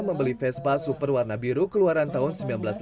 membeli vespa super warna biru keluaran tahun seribu sembilan ratus delapan puluh